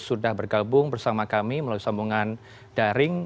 sudah bergabung bersama kami melalui sambungan daring